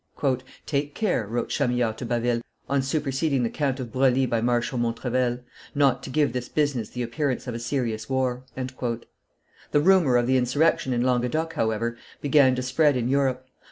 "Take care," wrote Chamillard to Baville, on superseding the Count of Broglie by Marshal Montrevel, "not to give this business the appearance of a serious war." The rumor of the insurrection in Languedoc, however, began to spread in Europe.